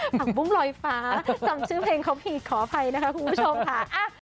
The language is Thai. ผักบุ้งลอยฟ้าถ้าจำชื่อเพลงเขาผิดขออภัยนะคะคุณผู้ชมค่ะ